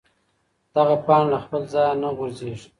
دغه پاڼه له خپل ځایه نه غورځېږي.